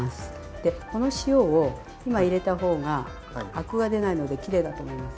でこの塩を今入れた方がアクが出ないのできれいだと思います。